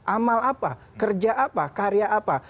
amal apa kerja apa karya apa